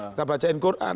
kita bacain quran